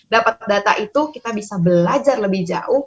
dapat data itu kita bisa belajar lebih jauh